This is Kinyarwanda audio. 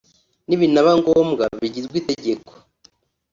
nibinaba ngombwa bigirwe itegeko